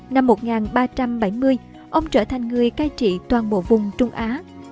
năm một nghìn ba trăm bảy mươi ông trở thành người cai trị toàn bộ vùng trung á